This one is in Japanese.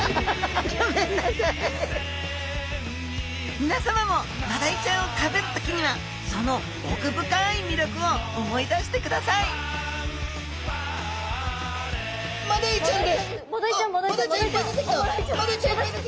みなさまもマダイちゃんを食べる時にはそのおくぶかいみりょくを思い出してくださいマダイちゃんです！